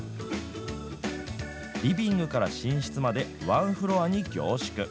リビングから寝室までワンフロアに凝縮。